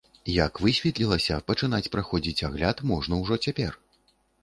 Як высветлілася, пачынаць праходзіць агляд можна ўжо цяпер.